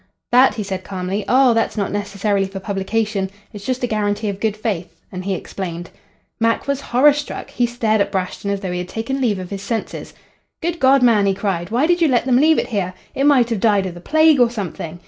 'That,' he said calmly. 'Oh, that's not necessarily for publication; it's just a guarantee of good faith.' And he explained. "Mac was horror struck. He stared at Brashton as though he had taken leave of his senses. "'Good God, man,' he cried, 'why did you let them leave it here? It might have died of the plague or something.'